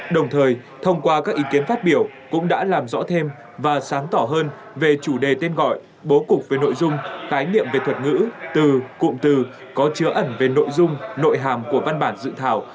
đồng thời thông qua các ý kiến phát biểu cũng đã làm rõ thêm và sáng tỏ hơn về chủ đề tên gọi bố cục về nội dung khái niệm về thuật ngữ từ cụm từ có chứa ẩn về nội dung nội hàm của văn bản dự thảo